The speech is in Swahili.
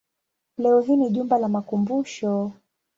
Leo hii ni jumba la makumbusho.